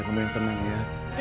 kamu yang tenang ya